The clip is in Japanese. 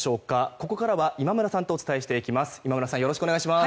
ここからは今村さんとお伝えしていきます。